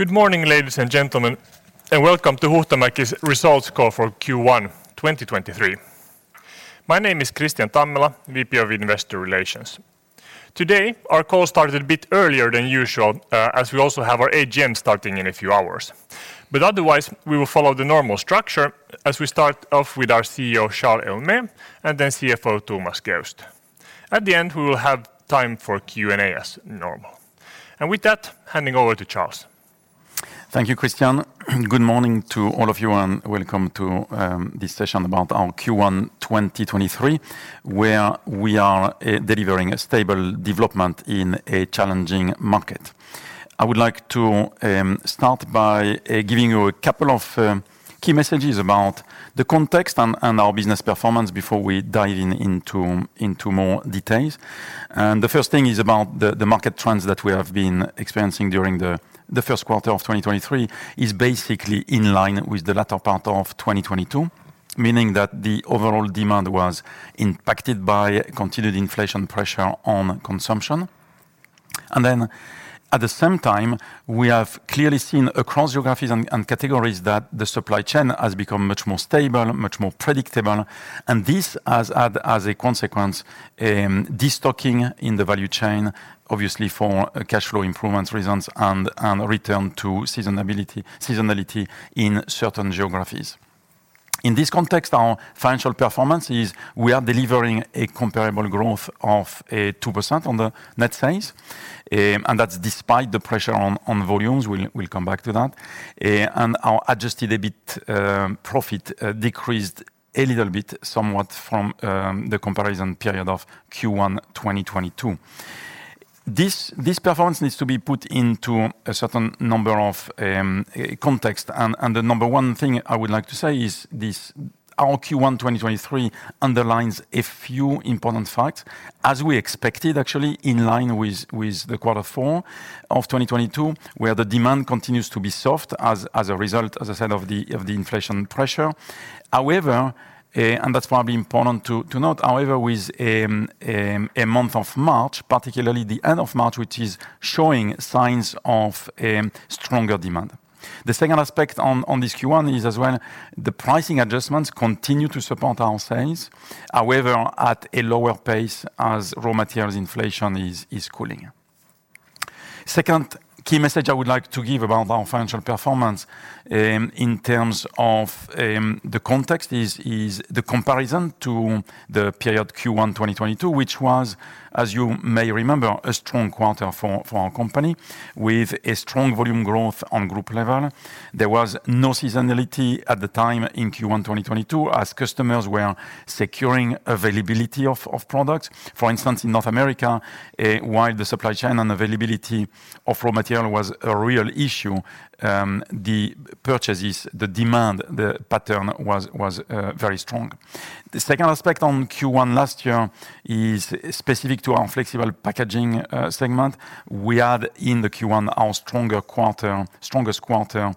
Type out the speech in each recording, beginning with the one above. Good morning, ladies and gentlemen, and welcome to Huhtamäki's results call for Q1 2023. My name is Kristian Tammela, VP of Investor Relations. Today, our call started a bit earlier than usual, as we also have our AGM starting in a few hours. Otherwise, we will follow the normal structure as we start off with our CEO, Charles Héaulmé, and then CFO, Thomas Geust. At the end, we will have time for Q&A as normal. With that, handing over to Charles. Thank you, Kristian. Good morning to all of you, and welcome to this session about our Q1 2023, where we are delivering a stable development in a challenging market. I would like to start by giving you a couple of key messages about the context and our business performance before we dive into more details. The first thing is about the market trends that we have been experiencing during the 1st quarter of 2023 is basically in line with the latter part of 2022, meaning that the overall demand was impacted by continued inflation pressure on consumption. Then at the same time, we have clearly seen across geographies and categories that the supply chain has become much more stable, much more predictable, and this has had as a consequence, destocking in the value chain, obviously for cash flow improvements reasons and return to seasonality in certain geographies. In this context, our financial performance is we are delivering a comparable growth of 2% on the net sales, and that's despite the pressure on volumes. We'll come back to that. Our adjusted EBIT profit decreased a little bit, somewhat from the comparison period of Q1 2022. This performance needs to be put into a certain number of context. The number one thing I would like to say is this, our Q1 2023 underlines a few important facts. As we expected, actually, in line with the quarter four of 2022, where the demand continues to be soft as a result, as I said, of the inflation pressure. However, that's probably important to note, however, with a month of March, particularly the end of March, which is showing signs of stronger demand. The second aspect on this Q1 is as well, the pricing adjustments continue to support our sales, however, at a lower pace as raw materials inflation is cooling. Second key message I would like to give about our financial performance, in terms of the context is the comparison to the period Q1 2022, which was, as you may remember, a strong quarter for our company with a strong volume growth on group level. There was no seasonality at the time in Q1 2022 as customers were securing availability of products. For instance, in North America, while the supply chain and availability of raw material was a real issue, the purchases, the demand, the pattern was very strong. The second aspect on Q1 last year is specific to our flexible packaging segment. We had in the Q1 our strongest quarter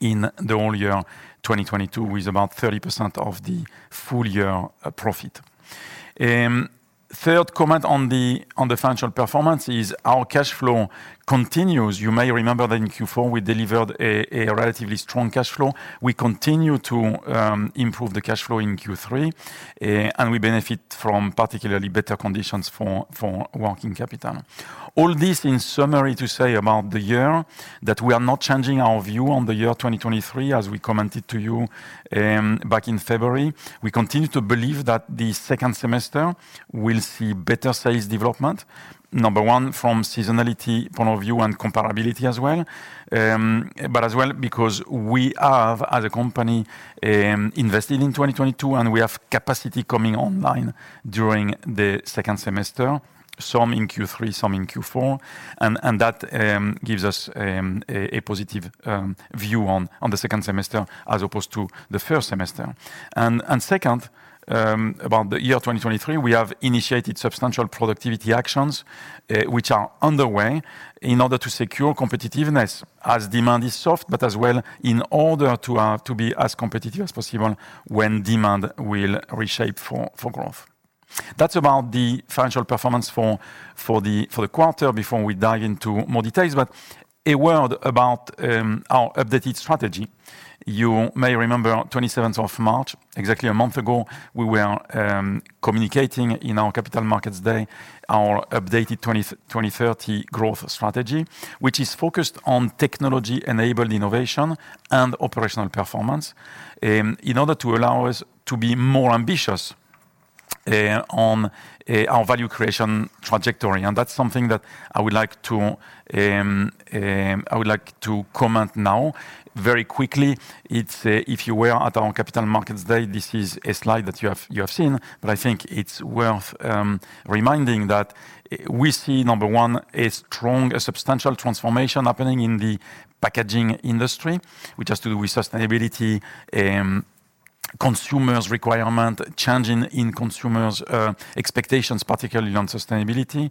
in the whole year 2022, with about 30% of the full year profit. Third comment on the financial performance is our cash flow continues. You may remember that in Q4 we delivered a relatively strong cash flow. We continue to improve the cash flow in Q3, and we benefit from particularly better conditions for working capital. All this in summary to say about the year that we are not changing our view on the year 2023, as we commented to you back in February. We continue to believe that the second semester will see better sales development, number one, from seasonality point of view and comparability as well. As well because we have, as a company, invested in 2022, and we have capacity coming online during the second semester, some in Q3, some in Q4, and that gives us a positive view on the second semester as opposed to the first semester. Second, about the year 2023, we have initiated substantial productivity actions, which are underway in order to secure competitiveness as demand is soft, but as well in order to be as competitive as possible when demand will reshape for growth. That's about the financial performance for the quarter before we dive into more details. A word about our updated strategy. You may remember on 27th of March, exactly a month ago, we were communicating in our Capital Markets Day our updated 2030 growth strategy, which is focused on technology-enabled innovation and operational performance in order to allow us to be more ambitious on our value creation trajectory. That's something that I would like to comment now very quickly. It's, if you were at our Capital Markets Day, this is a slide that you have seen, but I think it's worth reminding that we see, number one, a strong, a substantial transformation happening in the packaging industry, which has to do with sustainability, consumers' requirement, changing in consumers' expectations, particularly on sustainability,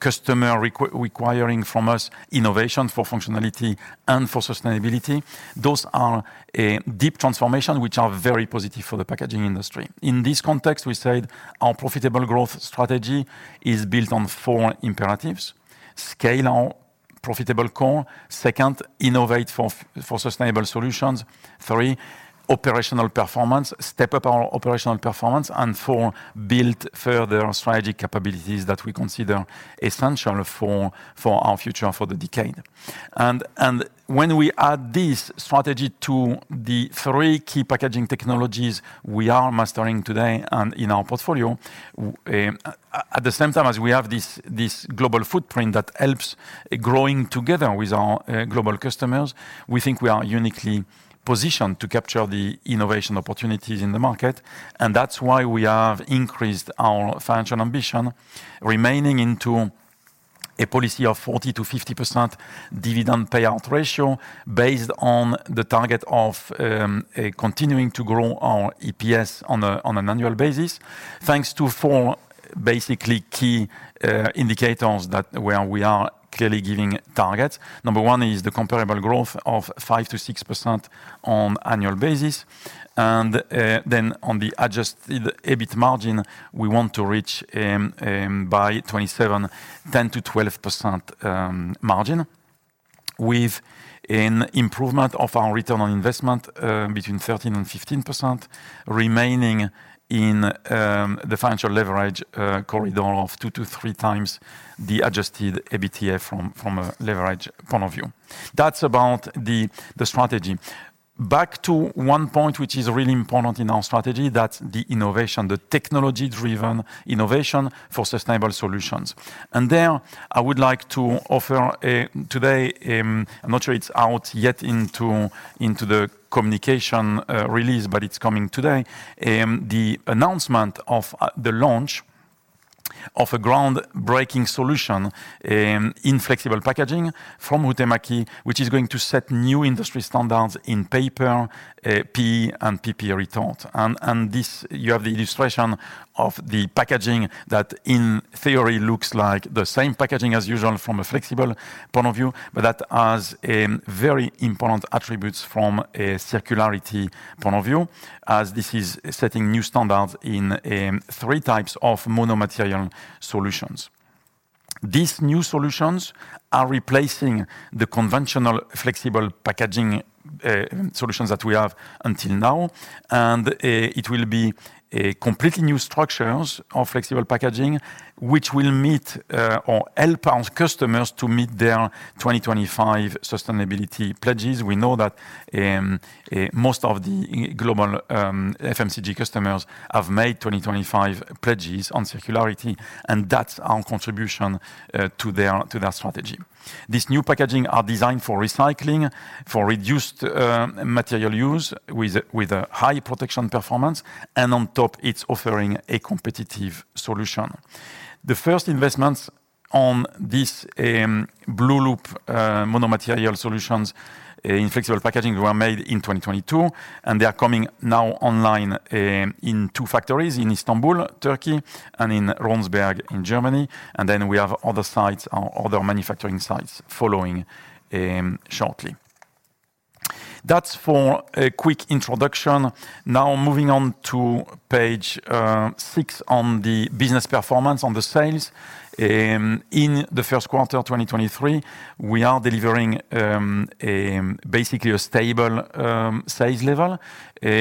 customer requiring from us innovation for functionality and for sustainability. Those are a deep transformation which are very positive for the packaging industry. In this context, we said our profitable growth strategy is built on four imperatives: scale our profitable core. Second, innovate for sustainable solutions. Three, operational performance, step up our operational performance. Four, build further strategy capabilities that we consider essential for our future, for the decade. When we add this strategy to the three key packaging technologies we are mastering today and in our portfolio, at the same time as we have this global footprint that helps growing together with our global customers, we think we are uniquely positioned to capture the innovation opportunities in the market. That's why we have increased our financial ambition remaining into a policy of 40%-50% dividend payout ratio based on the target of continuing to grow our EPS on an annual basis, thanks to four basically key indicators where we are clearly giving targets. Number one is the comparable growth of 5%-6% on annual basis. Then on the adjusted EBIT margin, we want to reach by 27, 10%-12% margin with an improvement of our return on investment between 13%-15% remaining in the financial leverage corridor of 2-3x adjusted EBITDA from a leverage point of view. That's about the strategy. Back to one point, which is really important in our strategy, that's the innovation, the technology-driven innovation for sustainable solutions. There I would like to offer today, I'm not sure it's out yet into the communication release, but it's coming today, the announcement of the launch of a groundbreaking solution in flexible packaging from Huhtamäki, which is going to set new industry standards in paper, PE and PP Retort. This, you have the illustration of the packaging that in theory looks like the same packaging as usual from a flexible point of view, but that has very important attributes from a circularity point of view as this is setting new standards in three types of mono-material solutions. These new solutions are replacing the conventional flexible packaging solutions that we have until now, and it will be a completely new structures of flexible packaging which will meet or help our customers to meet their 2025 sustainability pledges. We know that most of the global FMCG customers have made 2025 pledges on circularity, and that's our contribution to their strategy. This new packaging are designed for recycling, for reduced material use with a high protection performance, and on top, it's offering a competitive solution. The first investments on this blueloop mono-material solutions in flexible packaging were made in 2022, and they are coming now online in two factories in Istanbul, Turkey, and in Ronsberg in Germany. We have other sites or other manufacturing sites following shortly. That's for a quick introduction. Moving on to page six on the business performance on the sales. In the first quarter of 2023, we are delivering basically a stable sales level,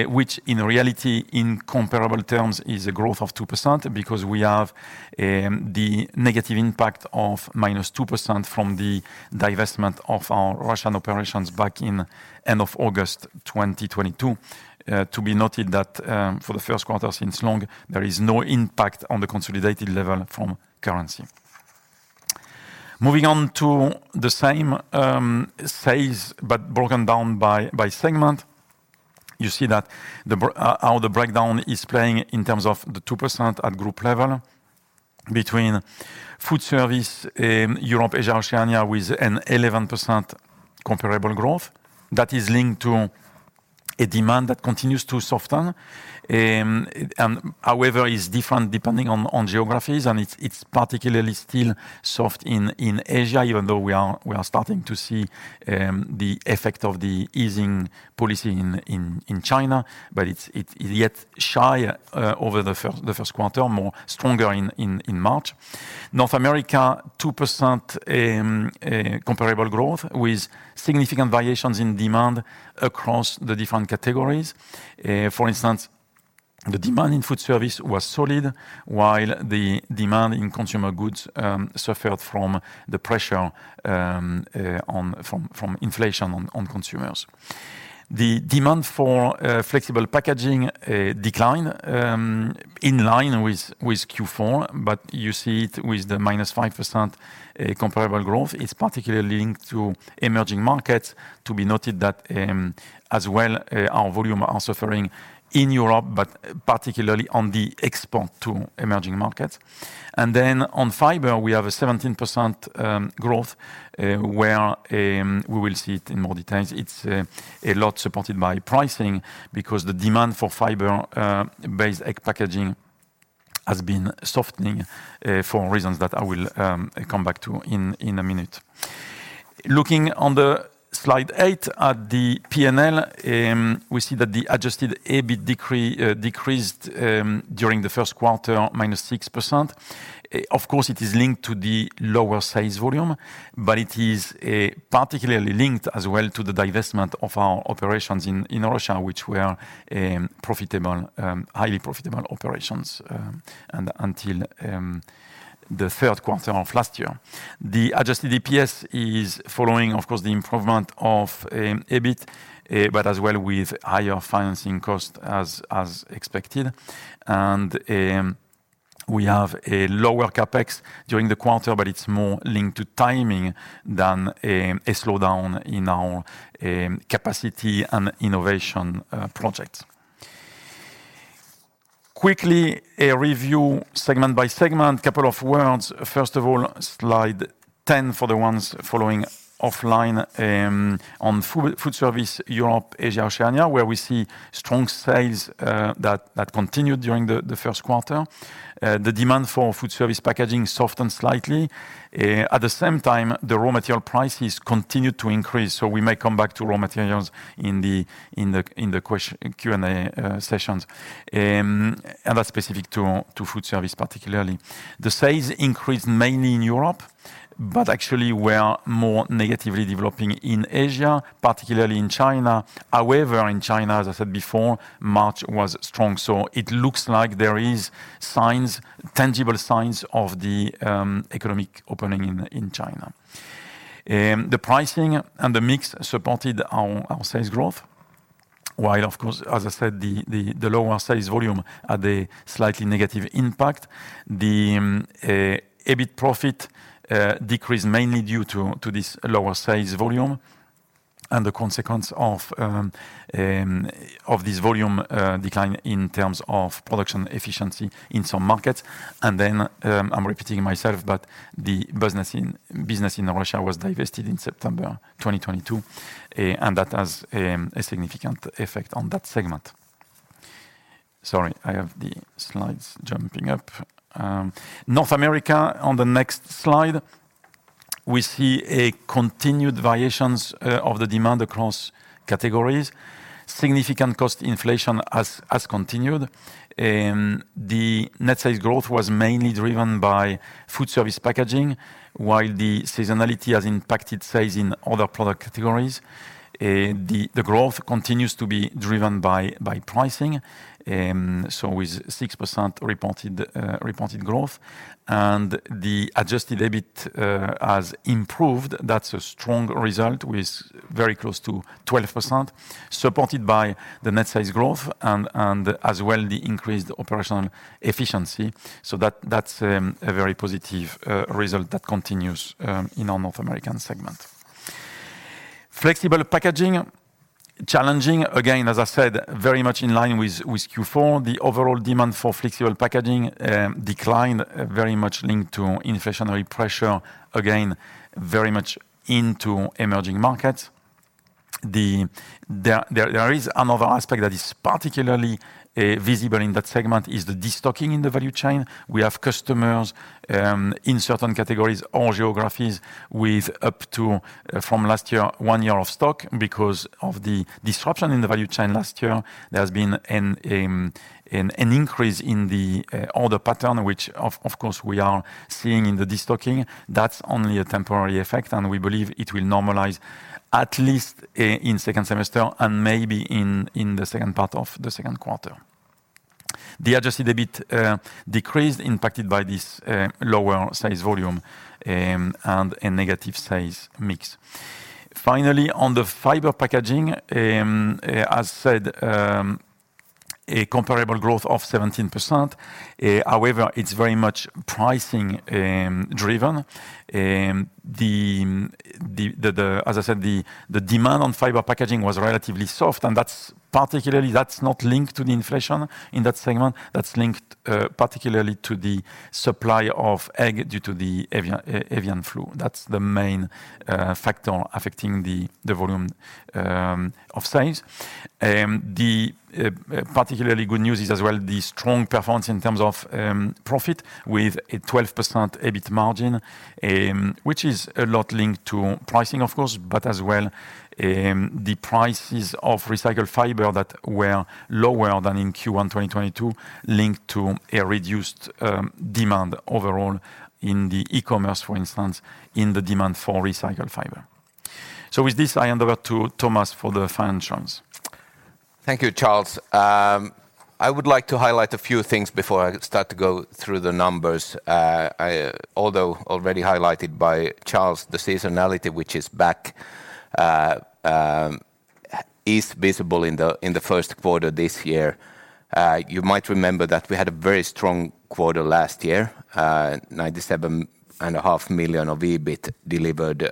which in reality in comparable terms is a growth of 2% because we have the negative impact of -2% from the divestment of our Russian operations back in end of August 2022. To be noted that for the first quarter since long, there is no impact on the consolidated level from currency. Moving on to the same sales but broken down by segment. You see that how the breakdown is playing in terms of the 2% at group level between Foodservice Europe-Asia-Oceania with an 11% comparable growth that is linked to a demand that continues to soften, and however is different depending on geographies, and it's particularly still soft in Asia, even though we are starting to see the effect of the easing policy in China, but it's yet shy over the first quarter, more stronger in March. North America, 2% comparable growth with significant variations in demand across the different categories. For instance, the demand in foodservice was solid, while the demand in consumer goods suffered from the pressure from inflation on consumers. The demand for flexible packaging declined in line with Q4, but you see it with the -5% comparable growth. It's particularly linked to emerging markets to be noted that as well, our volume are suffering in Europe, but particularly on the export to emerging markets. On fiber, we have a 17% growth, where we will see it in more details. It's a lot supported by pricing because the demand for fiber-based packaging has been softening for reasons that I will come back to in a minute. Looking on Slide 8 at the PNL, we see that the adjusted EBIT decreased during the first quarter -6%. Of course, it is linked to the lower sales volume, but it is particularly linked as well to the divestment of our operations in Russia, which were profitable, highly profitable operations, and until the third quarter of last year. The adjusted EPS is following, of course, the improvement of EBIT, but as well with higher financing costs as expected. We have a lower CapEx during the quarter, but it's more linked to timing than a slowdown in our capacity and innovation project. Quickly, a review segment by segment. Couple of words. First of all, slide 10 for the ones following offline, on Foodservice Europe-Asia-Oceania, where we see strong sales that continued during the first quarter. The demand for foodservice packaging softened slightly. At the same time, the raw material prices continued to increase. We may come back to raw materials in the Q&A sessions. That's specific to foodservice particularly. The sales increased mainly in Europe, but actually were more negatively developing in Asia, particularly in China. However, in China, as I said before, March was strong. It looks like there is signs, tangible signs of the economic opening in China. The pricing and the mix supported our sales growth, while of course, as I said, the lower sales volume had a slightly negative impact. The EBIT profit decreased mainly due to this lower sales volume and the consequence of this volume decline in terms of production efficiency in some markets. I'm repeating myself, but the business in Russia was divested in September 2022, and that has a significant effect on that segment. Sorry, I have the slides jumping up. North America on the next slide. We see a continued variations of the demand across categories. Significant cost inflation has continued. The net sales growth was mainly driven by foodservice packaging, while the seasonality has impacted sales in other product categories. The growth continues to be driven by pricing, so with 6% reported growth. The adjusted EBIT has improved. That's a strong result with very close to 12%, supported by the net sales growth and as well the increased operational efficiency. That's a very positive result that continues in our North American segment. Flexible packaging, challenging. Again, as I said, very much in line with Q4. The overall demand for flexible packaging declined, very much linked to inflationary pressure, again, very much into emerging markets. There is another aspect that is particularly visible in that segment, is the destocking in the value chain. We have customers in certain categories or geographies with up to, from last year, one year of stock. Because of the disruption in the value chain last year, there has been an increase in the order pattern, which of course, we are seeing in the destocking. That's only a temporary effect. We believe it will normalize at least in second semester and maybe in the second part of the second quarter. The adjusted EBIT decreased, impacted by this lower sales volume and a negative sales mix. Finally, on the fiber packaging, as said, a comparable growth of 17%. However, it's very much pricing driven. As I said, the demand on fiber packaging was relatively soft. That's particularly, that's not linked to the inflation in that segment. That's linked particularly to the supply of egg due to the avian flu. That's the main factor affecting the volume of sales. The particularly good news is as well the strong performance in terms of profit with a 12% EBIT margin, which is a lot linked to pricing, of course, but as well the prices of recycled fiber that were lower than in Q1 2022, linked to a reduced demand overall in the e-commerce, for instance, in the demand for recycled fiber. With this, I hand over to Thomas for the financials. Thank you, Charles. I would like to highlight a few things before I start to go through the numbers. Although already highlighted by Charles, the seasonality which is back, is visible in the first quarter this year. You might remember that we had a very strong quarter last year, 97.5 million of EBIT delivered.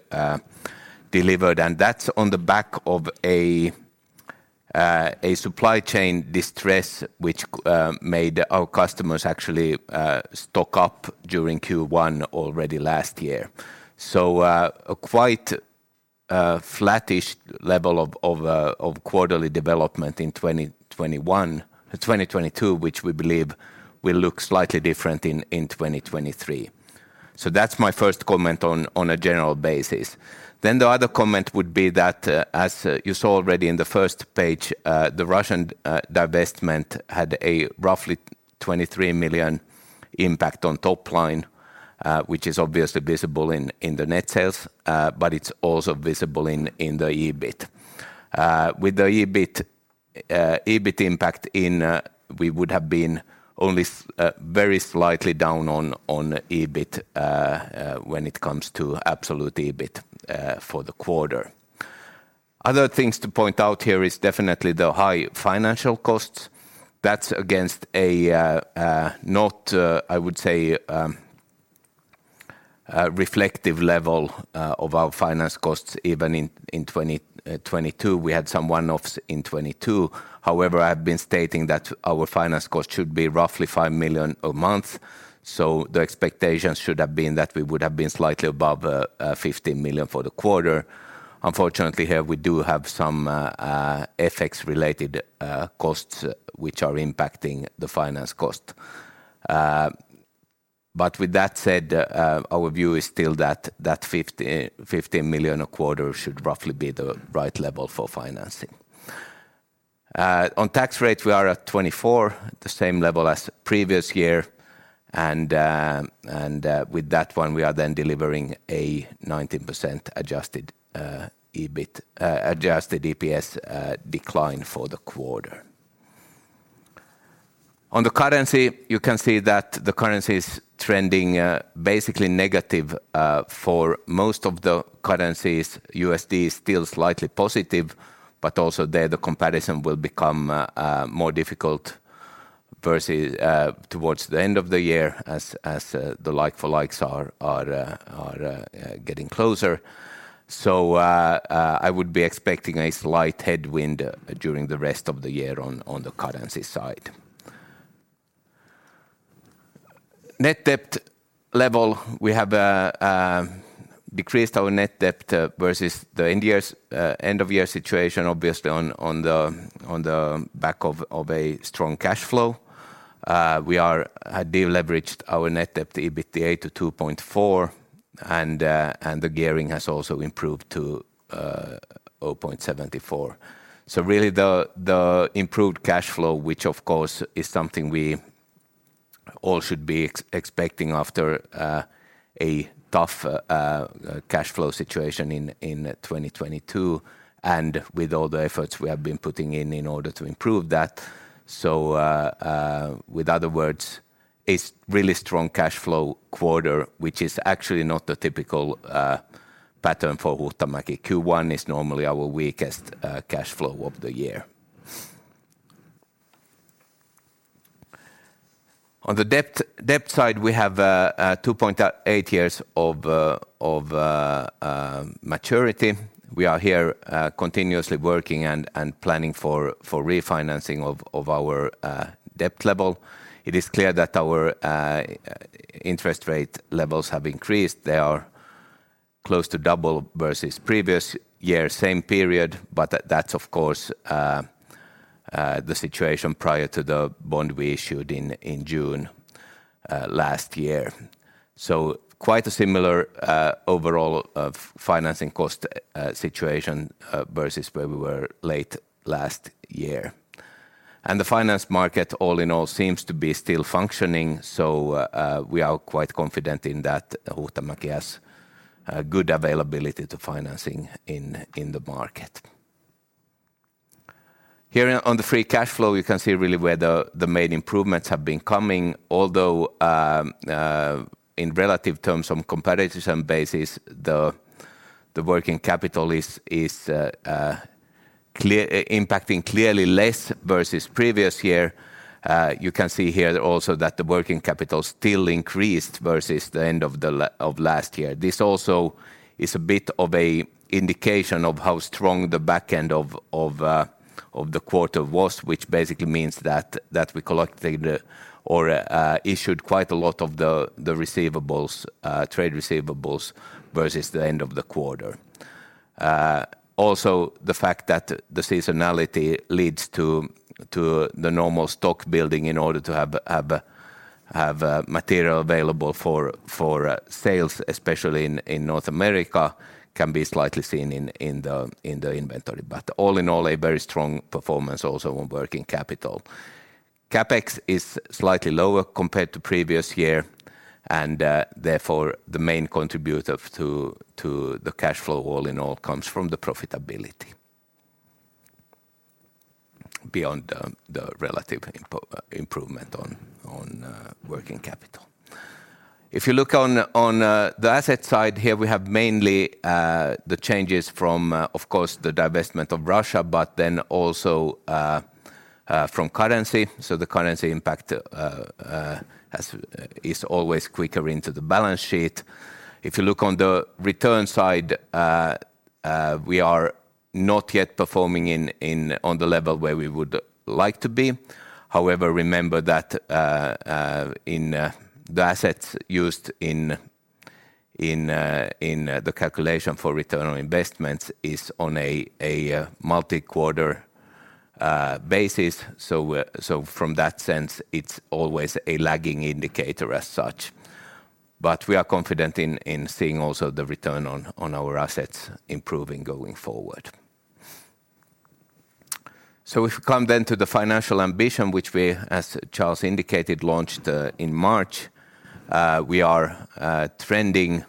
That's on the back of a supply chain distress which made our customers actually stock up during Q1 already last year. A flattish level of quarterly development in 2022, which we believe will look slightly different in 2023. That's my first comment on a general basis. The other comment would be that, as you saw already in the first page, the Russian divestment had a roughly 23 million impact on top line, which is obviously visible in the net sales, but it's also visible in the EBIT. With the EBIT impact in, we would have been only very slightly down on EBIT, when it comes to absolute EBIT, for the quarter. Other things to point out here is definitely the high financial costs. That's against a not, I would say, reflective level of our finance costs even in 2022. We had some one-offs in 2022. However, I've been stating that our finance cost should be roughly 5 million a month, so the expectations should have been that we would have been slightly above 15 million for the quarter. With that said, our view is still that 15 million a quarter should roughly be the right level for financing. On tax rate, we are at 24, the same level as previous year. With that one we are then delivering a 19% adjusted EBIT... adjusted EPS decline for the quarter. On the currency, you can see that the currency is trending basically negative for most of the currencies. USD is still slightly positive. Also there the comparison will become more difficult versus towards the end of the year as the like for likes are getting closer. I would be expecting a slight headwind during the rest of the year on the currency side. Net debt level, we have decreased our net debt versus the end years end of year situation obviously on the back of a strong cash flow. We had deleveraged our net debt to EBITDA to 2.4. The gearing has also improved to 0.74. Really the improved cash flow, which of course is something we all should be expecting after a tough cash flow situation in 2022, and with all the efforts we have been putting in in order to improve that. With other words, it's really strong cash flow quarter, which is actually not the typical pattern for Huhtamäki. Q1 is normally our weakest cash flow of the year. On the debt side, we have 2.8 years of maturity. We are here continuously working and planning for refinancing of our debt level. It is clear that our interest rate levels have increased. They are close to double versus previous year, same period, that's of course the situation prior to the bond we issued in June last year. Quite a similar overall financing cost situation versus where we were late last year. The finance market all in all seems to be still functioning, so we are quite confident in that Huhtamäki has good availability to financing in the market. Here on the free cash flow, you can see really where the main improvements have been coming, although in relative terms on comparison basis, the working capital is impacting clearly less versus previous year. You can see here also that the working capital still increased versus the end of last year. This also is a bit of a indication of how strong the back end of the quarter was, which basically means that we collected or issued quite a lot of the receivables, trade receivables versus the end of the quarter. Also the fact that the seasonality leads to the normal stock building in order to have material available for sales, especially in North America, can be slightly seen in the, in the inventory. All in all, a very strong performance also on working capital. CapEx is slightly lower compared to previous year, therefore, the main contributor to the cash flow all in all comes from the profitability beyond the relative improvement on working capital. If you look on the asset side here, we have mainly the changes from, of course, the divestment of Russia, but then also from currency. The currency impact is always quicker into the balance sheet. If you look on the return side, we are ex-. Not yet performing in on the level where we would like to be. However, remember that in the assets used in in the calculation for return on investment is on a multi-quarter basis. From that sense, it's always a lagging indicator as such. We are confident in seeing also the return on our assets improving going forward. If we come to the financial ambition, which we, as Charles indicated, launched in March. We are trending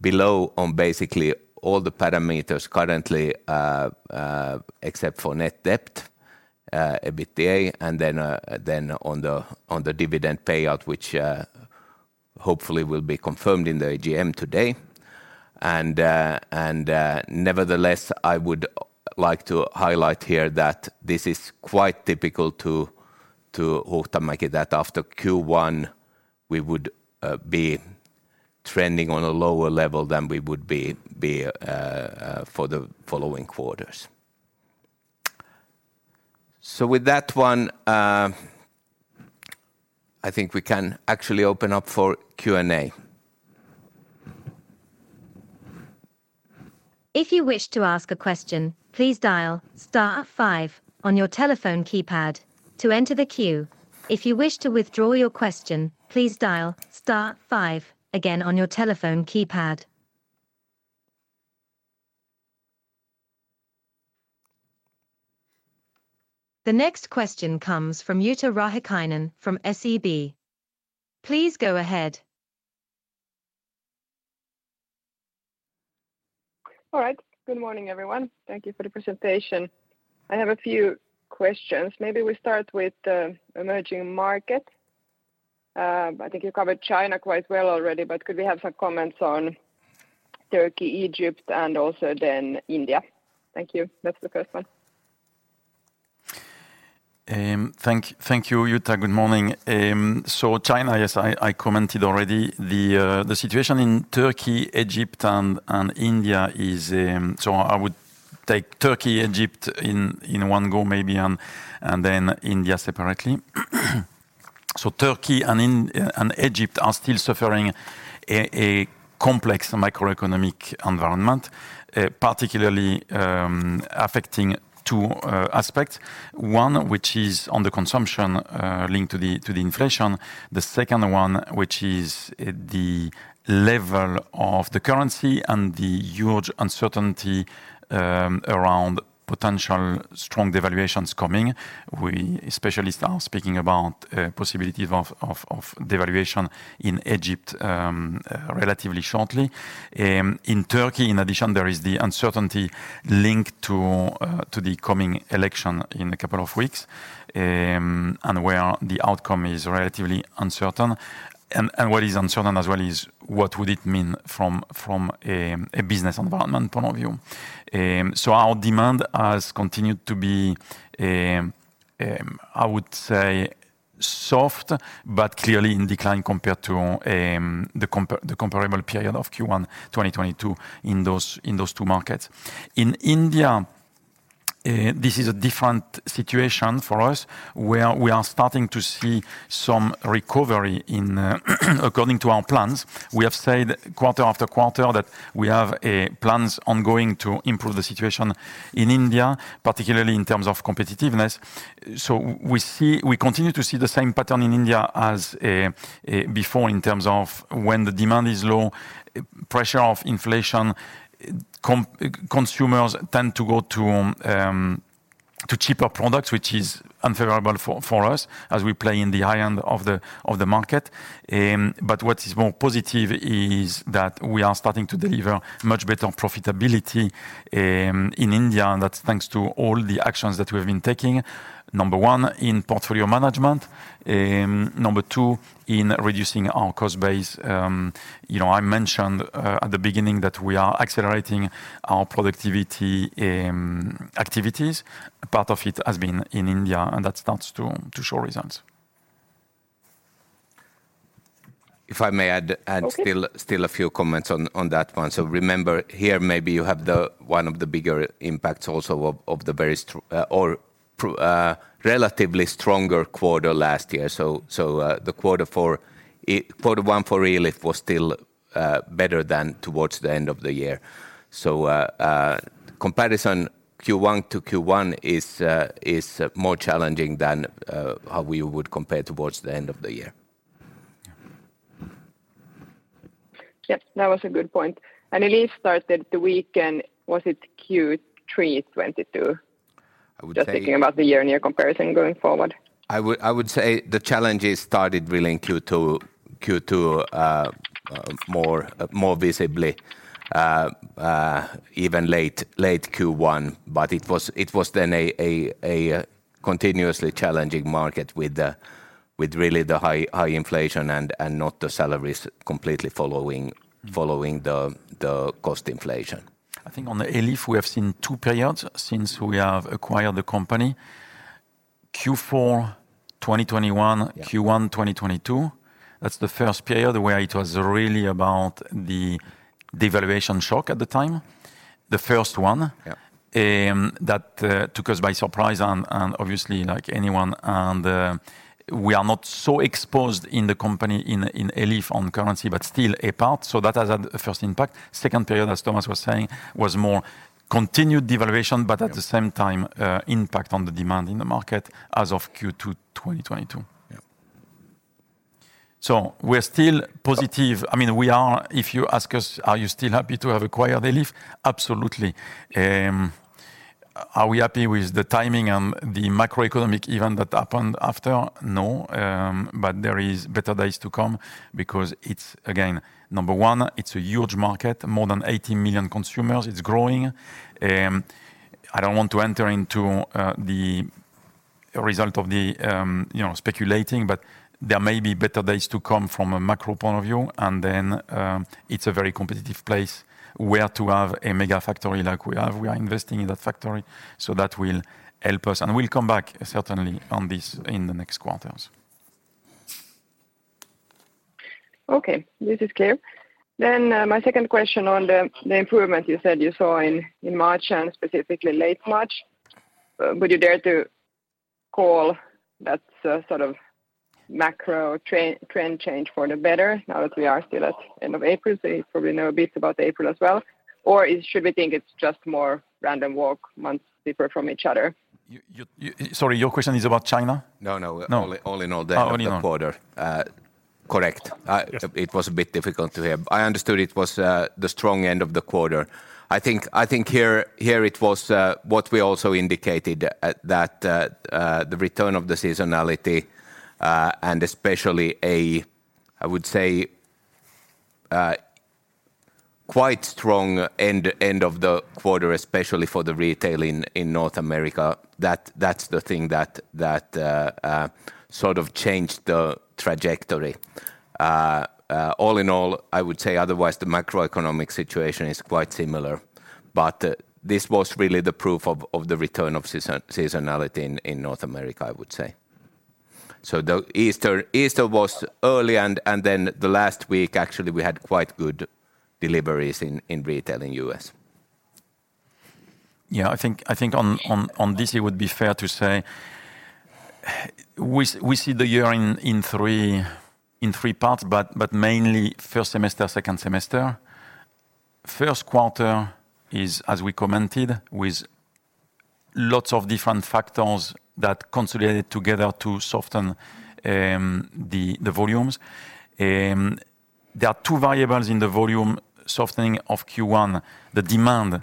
below on basically all the parameters currently, except for net debt, EBITDA, and on the dividend payout, which hopefully will be confirmed in the AGM today. Nevertheless, I would like to highlight here that this is quite typical to Huhtamäki, that after Q1 we would be trending on a lower level than we would be for the following quarters. With that one, I think we can actually open up for Q&A. If you wish to ask a question, please dial star five on your telephone keypad to enter the queue. If you wish to withdraw your question, please dial star-five again on your telephone keypad. The next question comes from Jutta Rahikainen from SEB. Please go ahead. All right. Good morning, everyone. Thank you for the presentation. I have a few questions. Maybe we start with the emerging market. I think you covered China quite well already, but could we have some comments on Turkey, Egypt, and also then India? Thank you. That's the first one. Thank you, Jutta. Good morning. China, yes, I commented already. The situation in Turkey, Egypt, and India is... I would take Turkey, Egypt in one go maybe and then India separately. Turkey and Egypt are still suffering a complex macroeconomic environment, particularly affecting two aspects. One which is on the consumption, linked to the inflation. The second one, which is the level of the currency and the huge uncertainty around potential strong devaluations coming. We especially are speaking about possibilities of devaluation in Egypt relatively shortly. In Turkey, in addition, there is the uncertainty linked to the coming election in a couple of weeks, and where the outcome is relatively uncertain. What is uncertain as well is what would it mean from a business environment point of view. Our demand has continued to be, I would say soft, but clearly in decline compared to the comparable period of Q1 2022 in those two markets. In India, this is a different situation for us, where we are starting to see some recovery in, according to our plans. We have said quarter after quarter that we have plans ongoing to improve the situation in India, particularly in terms of competitiveness. We continue to see the same pattern in India as before in terms of when the demand is low, pressure of inflation, consumers tend to go to cheaper products, which is unfavorable for us as we play in the high end of the market. What is more positive is that we are starting to deliver much better profitability in India, and that's thanks to all the actions that we have been taking. Number one, in portfolio management. Number two, in reducing our cost base. You know, I mentioned at the beginning that we are accelerating our productivity activities. Part of it has been in India, and that starts to show results. If I may add. Okay... still a few comments on that one. Remember here maybe you have the, one of the bigger impacts also of the very relatively stronger quarter last year. The quarter one for Elif was still better than towards the end of the year. Comparison Q1 to Q1 is more challenging than how we would compare towards the end of the year. Yep. That was a good point. Elif started the week in, was it Q3 2022? I would say. Just thinking about the year-on-year comparison going forward. I would say the challenges started really in Q2, more visibly, even late Q1, but it was then a continuously challenging market with really the high inflation and not the salaries completely following the cost inflation. I think on the Elif, we have seen two periods since we have acquired the company. Q4 2021, Q1 2022, that's the first period where it was really about the devaluation shock at the time. Yeah. that took us by surprise and obviously like anyone and, we are not so exposed in the company in Elif on currency, but still a part. That has had a first impact. Second period, as Thomas was saying, was more continued devaluation, but at the same time, impact on the demand in the market as of Q2 2022. Yeah. We're still positive. I mean, if you ask us, are you still happy to have acquired Elif? Absolutely. Are we happy with the timing and the macroeconomic event that happened after? No. There is better days to come because it's again, number one, it's a huge market, more than 80 million consumers. It's growing. I don't want to enter into the result of the, you know, speculating, there may be better days to come from a macro point of view. It's a very competitive place where to have a mega factory like we have. We are investing in that factory, that will help us. We'll come back certainly on this in the next quarters. Okay, this is clear. My second question on the improvement you said you saw in March and specifically late March. Would you dare to call that sort of macro trend change for the better now that we are still at end of April? You probably know a bit about April as well. Should we think it's just more random walk months differ from each other? You, sorry, your question is about China? No, no. No. All in all the end of the quarter. Oh, okay. Correct. It was a bit difficult to hear. I understood it was the strong end of the quarter. I think here it was what we also indicated at that the return of the seasonality, and especially a, I would say, quite strong end of the quarter, especially for the retail in North America. That's the thing that sort of changed the trajectory. All in all, I would say otherwise the macroeconomic situation is quite similar. This was really the proof of the return of seasonality in North America, I would say. The Easter was early and then the last week actually, we had quite good deliveries in retail in US. Yeah, I think on this it would be fair to say we see the year in three parts, but mainly first semester, second semester. First quarter is, as we commented, with lots of different factors that consolidated together to soften the volumes. There are two variables in the volume softening of Q1, the demand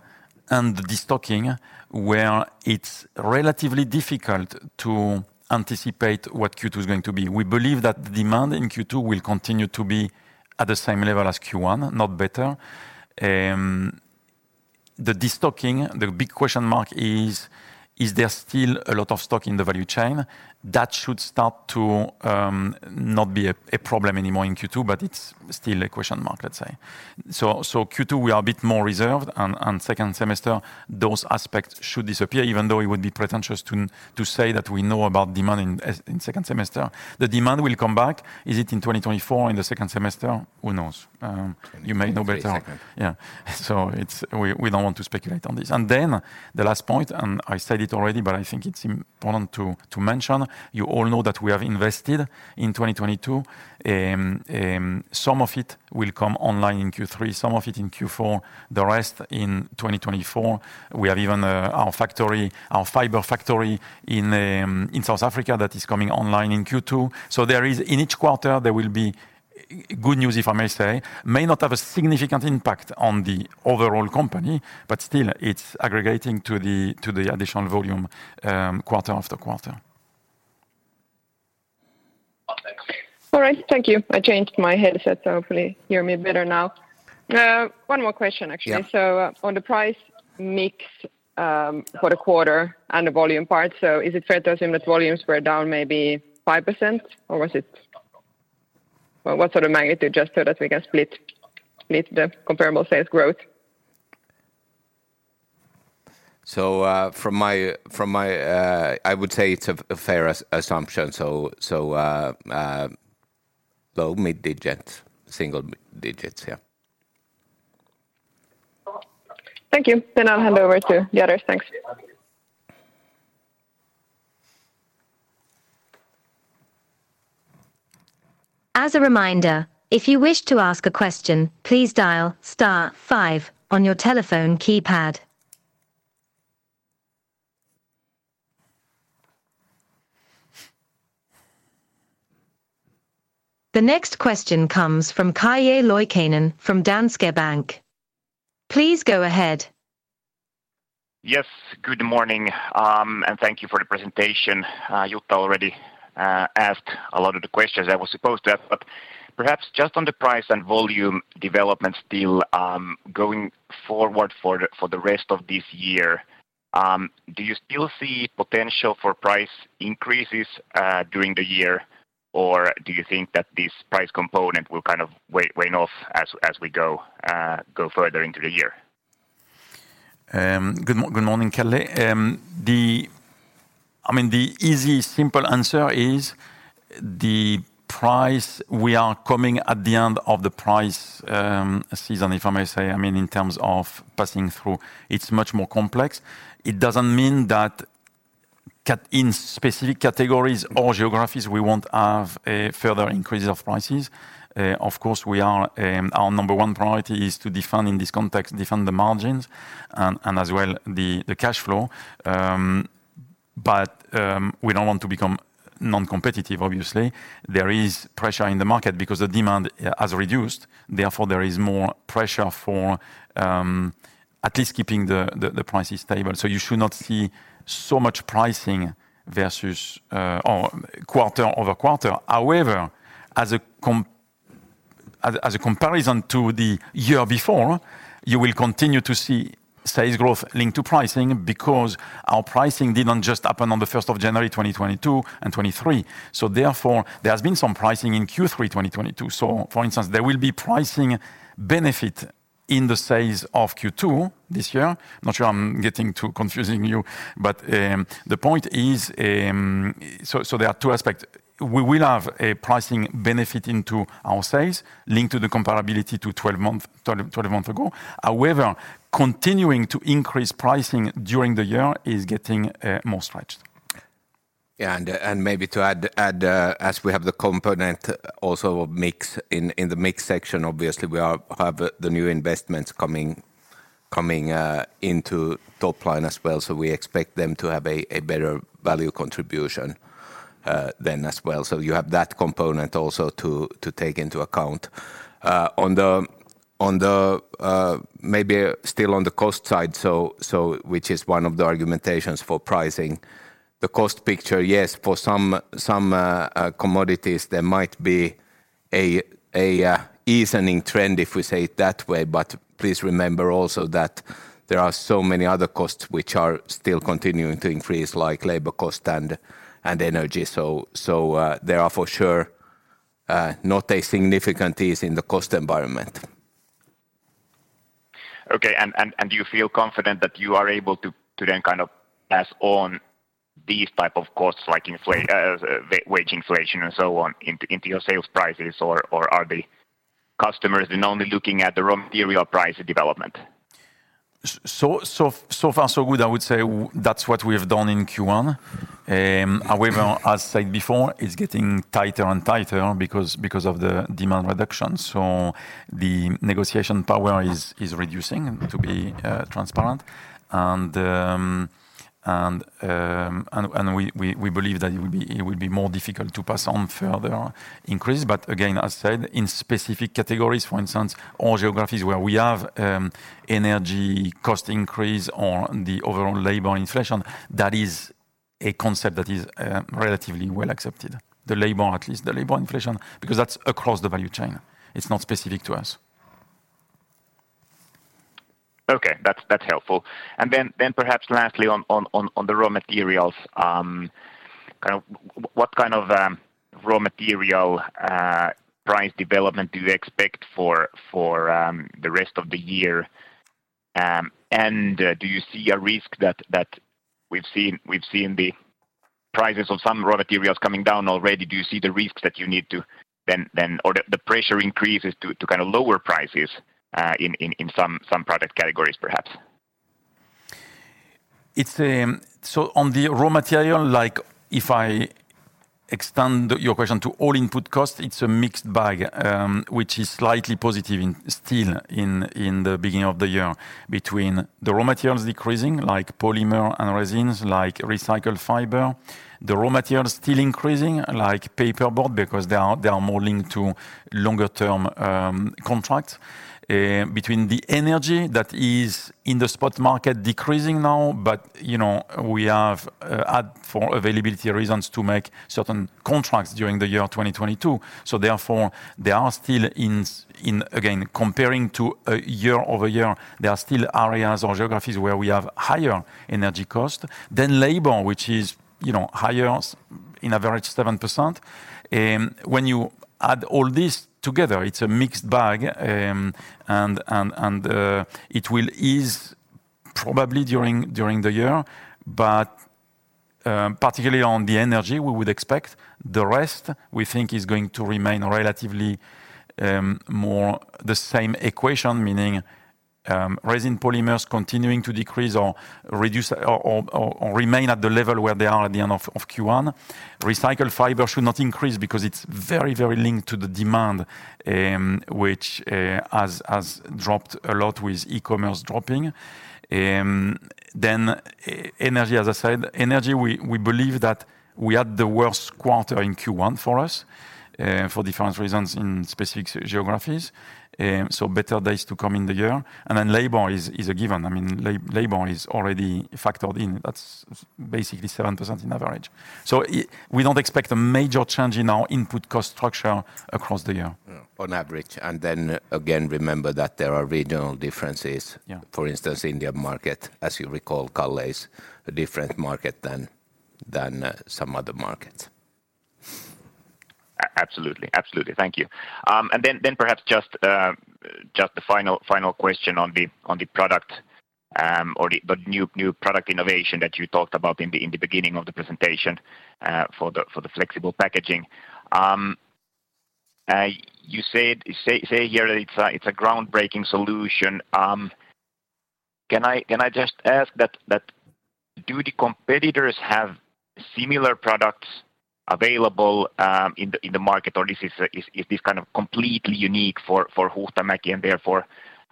and the destocking, where it's relatively difficult to anticipate what Q2 is going to be. We believe that the demand in Q2 will continue to be at the same level as Q1, not better. The destocking, the big question mark is there still a lot of stock in the value chain? That should start to not be a problem anymore in Q2, but it's still a question mark, let's say. Q2 we are a bit more reserved and second semester those aspects should disappear. Even though it would be pretentious to say that we know about demand in second semester. The demand will come back. Is it in 2024 in the second semester? Who knows? You may know better. In the second. Yeah. We don't want to speculate on this. The last point, I said it already, I think it's important to mention, you all know that we have invested in 2022. Some of it will come online in Q3, some of it in Q4, the rest in 2024. We have even our factory, our fiber factory in South Africa that is coming online in Q2. There is. In each quarter there will be good news if I may say. May not have a significant impact on the overall company, but still it's aggregating to the additional volume, quarter after quarter. All right. Thank you. I changed my headset, so hopefully you hear me better now. One more question, actually. Yeah. On the price mix for the quarter and the volume part. Is it fair to assume that volumes were down maybe 5% or was it? Well, what sort of magnitude just so that we can split the comparable sales growth? I would say it's a fair assumption. low mid digits. Single digits. Yeah. Thank you. I'll hand over to the others. Thanks. As a reminder, if you wish to ask a question, please dial star 5 on your telephone keypad. The next question comes from Calle Loikkanen from Danske Bank. Please go ahead. Yes. Good morning, thank you for the presentation. Jutta already asked a lot of the questions I was supposed to ask. Perhaps just on the price and volume development still, going forward for the rest of this year, do you still see potential for price increases during the year? Do you think that this price component will kind of wean off as we go further into the year? Good morning, Kelly. I mean, the easy, simple answer is the price we are coming at the end of the price season, if I may say. I mean, in terms of passing through, it's much more complex. It doesn't mean that in specific categories or geographies, we won't have a further increase of prices. Of course, we are, our number one priority is to defend in this context, defend the margins and as well the cashflow. But we don't want to become non-competitive obviously. There is pressure in the market because the demand has reduced, therefore, there is more pressure for at least keeping the prices stable. You should not see so much pricing versus or quarter-over-quarter. However, as a comparison to the year before, you will continue to see sales growth linked to pricing because our pricing didn't just happen on the first of January 2022 and 2023. Therefore, there has been some pricing in Q3 2022. For instance, there will be pricing benefit in the sales of Q2 this year. Not sure I'm getting too confusing you, but the point is. There are two aspects. We will have a pricing benefit into our sales linked to the comparability to 12-month, 12-month ago. However, continuing to increase pricing during the year is getting more stretched. Yeah. Maybe to add, as we have the component also of mix in the mix section, obviously we are have the new investments coming into top line as well. We expect them to have a better value contribution then as well. You have that component also to take into account. On the maybe still on the cost side, so which is one of the argumentations for pricing. The cost picture, yes, for some commodities there might be a easing trend if we say it that way, but please remember also that there are so many other costs which are still continuing to increase, like labor cost and energy. There are for sure not a significant ease in the cost environment. Okay. Do you feel confident that you are able to then kind of pass on these type of costs like wage inflation and so on into your sales prices? Are the customers only looking at the raw material price development? So far so good. I would say that's what we have done in Q1. However, as said before, it's getting tighter and tighter because of the demand reduction. The negotiation power is reducing, to be transparent. We believe that it would be more difficult to pass on further increase. Again, as said, in specific categories, for instance, or geographies where we have energy cost increase or the overall labor inflation, that is a concept that is relatively well accepted. The labor at least, the labor inflation, because that's across the value chain. It's not specific to us. Okay. That's helpful. Then perhaps lastly on the raw materials, kind of what kind of raw material price development do you expect for the rest of the year? Do you see a risk that we've seen the prices of some raw materials coming down already? Do you see the risks that you need to then or the pressure increases to kind of lower prices in some product categories perhaps? It's. On the raw material, like if I extend your question to all input costs, it's a mixed bag, which is slightly positive in steel in the beginning of the year between the raw materials decreasing like polymer and resins, like recycled fiber. The raw material is still increasing like paperboard because they are more linked to longer term contracts. Between the energy that is in the spot market decreasing now, but you know, we have had for availability reasons to make certain contracts during the year 2022. Therefore, there are still in, again, comparing to a year-over-year, there are still areas or geographies where we have higher energy cost than labor, which is, you know, higher in average 7%. When you add all this together, it's a mixed bag. It will ease probably during the year, particularly on the energy we would expect. The rest we think is going to remain relatively more the same equation, meaning resin polymers continuing to decrease or reduce or remain at the level where they are at the end of Q1. recycled fiber should not increase because it's very linked to the demand which has dropped a lot with e-commerce dropping. As I said, energy, we believe that we had the worst quarter in Q1 for us for different reasons in specific geographies. Better days to come in the year. Labor is a given. I mean, labor is already factored in. That's basically 7% in average. We don't expect a major change in our input cost structure across the year. On average. Again, remember that there are regional differences. Yeah. For instance, India market, as you recall, Calle, is a different market than some other markets. Absolutely. Absolutely. Thank you. Then perhaps just a final question on the product, or the new product innovation that you talked about in the beginning of the presentation, for the flexible packaging. You say here that it's a groundbreaking solution. Can I just ask that do the competitors have similar products available in the market, or is this kind of completely unique for Huhtamäki and therefore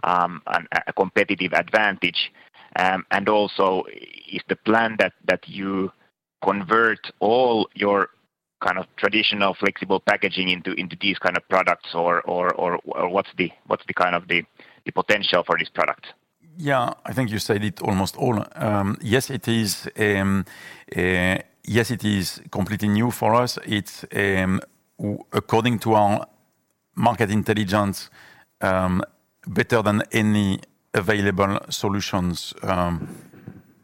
a competitive advantage? Is the plan that you convert all your kind of traditional flexible packaging into these kind of products or what's the kind of the potential for this product? Yeah. I think you said it almost all. Yes, it is completely new for us. It's according to our market intelligence, better than any available solutions,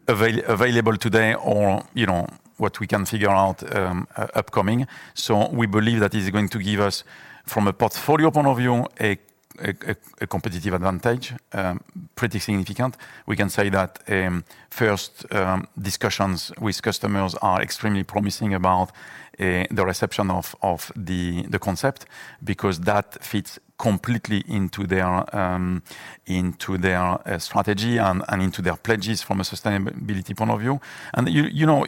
available today or, you know, what we can figure out, upcoming. We believe that is going to give us from a portfolio point of view, a competitive advantage, pretty significant. We can say that, first, discussions with customers are extremely promising about the reception of the concept because that fits completely into their into their strategy and into their pledges from a sustainability point of view. You, you know,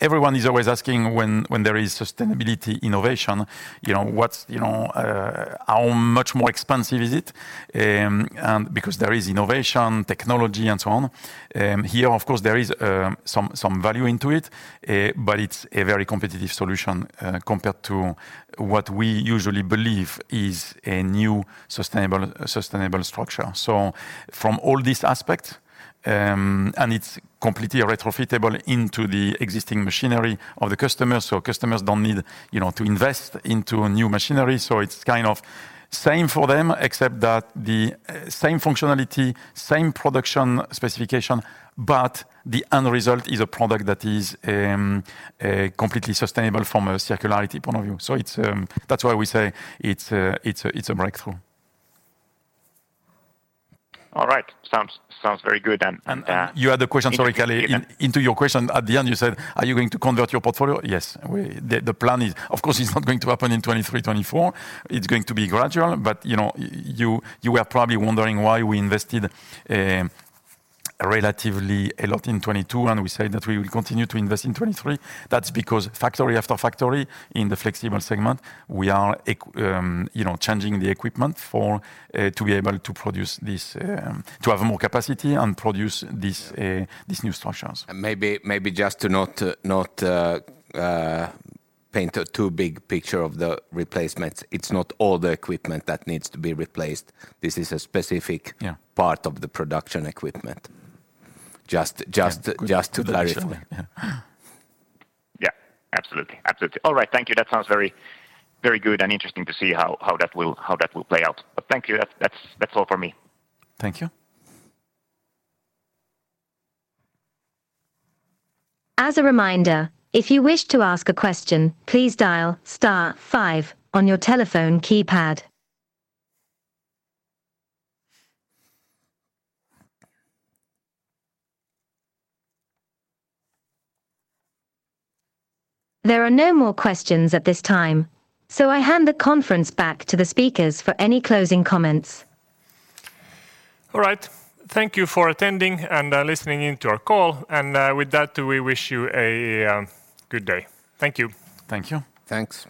everyone is always asking when there is sustainability innovation, you know, what's... you know, how much more expensive is it. Because there is innovation, technology, and so on. Here, of course, there is some value into it, but it's a very competitive solution, compared to what we usually believe is a new sustainable structure. From all these aspects, it's completely retrofittable into the existing machinery of the customer. Customers don't need, you know, to invest into a new machinery. It's kind of same for them except that the same functionality, same production specification, but the end result is a product that is completely sustainable from a circularity point of view. It's that's why we say it's a, it's a, it's a breakthrough. All right. Sounds very good. You had a question. Sorry, Calle. Into your question at the end you said, "Are you going to convert your portfolio?" Yes. The plan is of course, it's not going to happen in 2023, 2024. It's going to be gradual, but, you know, you were probably wondering why we invested relatively a lot in 2022, and we said that we will continue to invest in 2023. That's because factory after factory in the flexible segment, we are, you know, changing the equipment for to be able to produce this to have more capacity and produce these new structures. maybe just to not paint a too big picture of the replacements, it's not all the equipment that needs to be replaced. Yeah. -part of the production equipment. Yeah. Just to clarify. Yeah. Yeah. Absolutely. Absolutely. All right. Thank you. That sounds very good and interesting to see how that will play out. Thank you. That's all for me. Thank you. As a reminder, if you wish to ask a question, please dial star five on your telephone keypad. There are no more questions at this time. I hand the conference back to the speakers for any closing comments. All right. Thank you for attending and, listening in to our call, and, with that, we wish you a good day. Thank you. Thank you. Thanks.